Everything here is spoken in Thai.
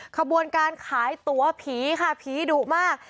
ขบวนการขายตัวผีค่ะผีดุมาก